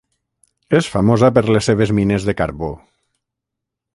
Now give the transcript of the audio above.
És famosa per les seves mines de carbó.